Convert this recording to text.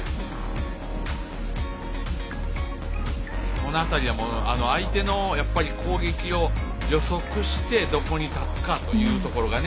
この辺りは相手の攻撃を予測してどこに立つかというところがね。